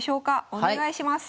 お願いします。